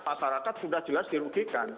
pasarakat sudah jelas dirugikan